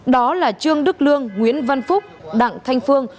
đó là trương đức lương nguyễn văn phúc đặng thanh phương